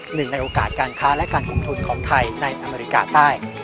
หนึ่งในโอกาสการค้าและการลงทุนของไทยในอเมริกาใต้